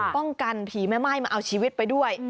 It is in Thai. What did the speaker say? กันผีแม่ไม้มาเอาชีวิตไปด้วย